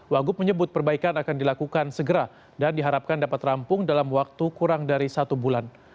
wagub menyebut perbaikan akan dilakukan segera dan diharapkan dapat rampung dalam waktu kurang dari satu bulan